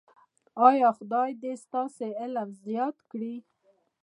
ایا خدای دې ستاسو علم زیات کړي؟